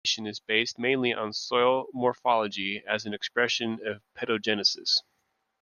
The classification is based mainly on soil morphology as an expression pedogenesis.